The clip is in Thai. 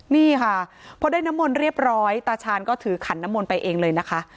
นี่ค่ะพอได้น้ำมนต์เรียบร้อยตาชาญก็ถือขันน้ำมนต์ไปเองเลยนะคะ